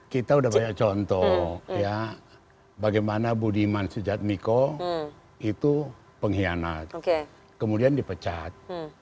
kita udah banyak contoh ya bagaimana budiman sujadmiko itu pengkhianat kemudian dipecat